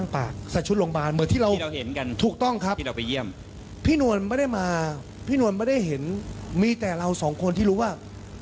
พี่นวลไม่ได้มาพี่นวลไม่ได้เห็นมีแต่เราสองคนที่รู้ว่า